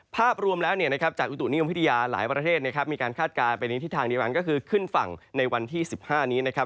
ภาพรวมแล้วจากอุตุนิยมวิทยาหลายประเทศนะครับมีการคาดการณ์ไปในทิศทางเดียวกันก็คือขึ้นฝั่งในวันที่๑๕นี้นะครับ